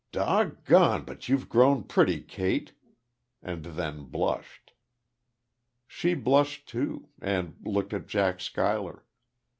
"Doggone, but you've grown pretty, Kate!" and then blushed. She blushed, too, and looked at Jack Schuyler.